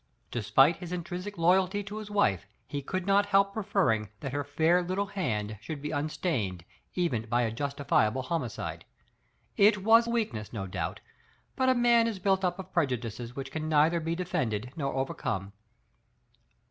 Despite his intrinsic loyalty to his wife, he could not help preferring that her fair little hand should be unstained even by a justifiable homi cide. It was weakness, no doubt, but man is built up of prejudices which can neither be de fended nor overcome.